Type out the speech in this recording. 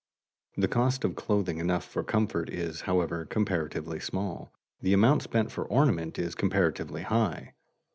The cost of clothing enough for comfort is, however, comparatively small, the amount spent for ornament is comparatively high.